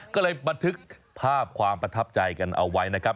ก็เลยบันทึกภาพความประทับใจกันเอาไว้นะครับ